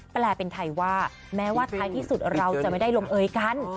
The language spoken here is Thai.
แปลเป็นไทยว่าแม้ว่าท้ายที่สุดเราจะไม่ได้ลงเอยกัน